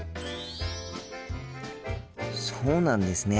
そうなんですね。